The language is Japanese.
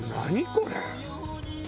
これ。